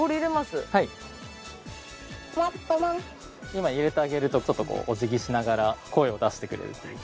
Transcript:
今入れてあげるとちょっとこうお辞儀しながら声を出してくれるという。